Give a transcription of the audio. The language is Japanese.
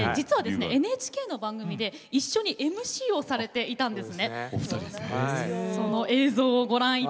ＮＨＫの番組で一緒にＭＣをされていたんです。